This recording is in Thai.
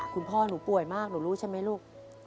คุณพ่อหนูป่วยมากหนูรู้ใช่ไหมลูก